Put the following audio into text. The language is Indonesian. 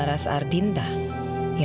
cuma percaya tuh ya